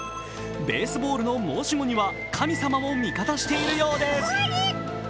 ベースボールの申し子には神様も味方しているようです。